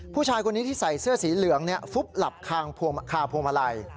ผู้ชายคนนี้ที่ใส่เสื้อสีเหลืองฟุบหลับคาพวงมาลัย